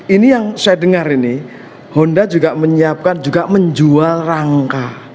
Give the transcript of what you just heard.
ini yang saya dengar ini honda juga menyiapkan juga menjual rangka